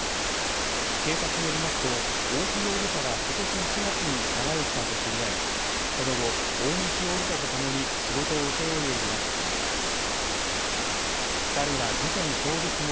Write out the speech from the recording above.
警察によりますと大木容疑者はことし１月に長葭さんと知り合い、その後大西容疑者とともに仕事を請け負うようになったということです。